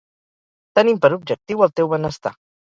Tenim per objectiu el teu benestar.